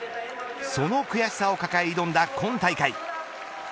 その悔しさを抱え挑んだ今大会。